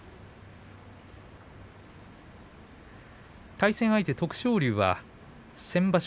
対戦相手、徳勝龍は先場所